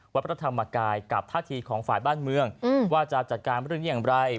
วัฒนธรรมกายกับท่าทีของฝ่ายบ้านเมืองอืมว่าจะจัดการเรื่องอย่างไรครับ